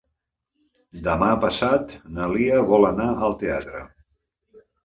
Demà passat na Lia vol anar al teatre.